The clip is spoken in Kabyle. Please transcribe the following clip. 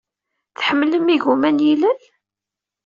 Tḥemmlem igumma n yilel?